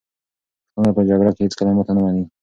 پښتانه په جګړه کې هېڅکله ماته نه مني.